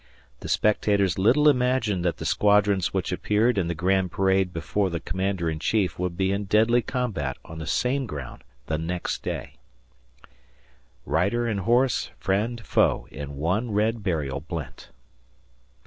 The spectators little imagined that the squadrons which appeared in the grand parade before the Commander in Chief would be in deadly combat on the same ground the next day "Rider and horse friend, foe in one red burial blent."